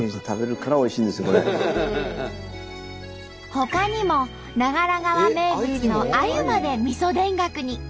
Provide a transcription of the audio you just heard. ほかにも長良川名物のアユまでみそ田楽に。